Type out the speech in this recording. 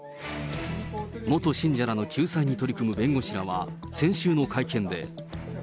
元信者らの救済に取り組む弁護士らは先週の会見で。